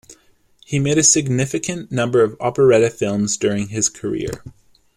He made a significant number of Operetta films during his career.